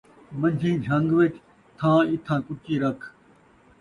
من٘جھیں جھن٘گ وِچ ، تھاں اتھاں کُچی رکھ